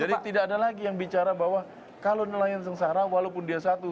jadi tidak ada lagi yang bicara bahwa kalau nelayan sengsara walaupun dia satu